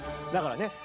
だからね